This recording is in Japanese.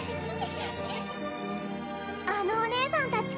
あのお姉さんたち